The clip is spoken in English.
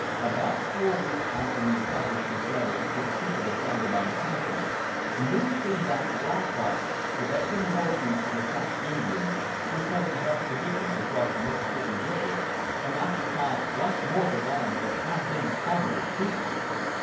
About four weeks after he had published his letter "To the People of Sangamon County," news came that Black Hawk, the veteran war chief of the Sac Indians, was heading an expedition to cross the Mississippi River and occupy once more the lands that had been the home of his people.